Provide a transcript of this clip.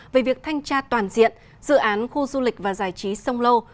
về việc thanh tra toàn diện dự án khu du lịch và giải trí sông lô